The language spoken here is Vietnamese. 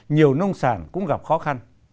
nhiều nông sản cũng gặp khó khăn